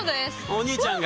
お兄ちゃんが。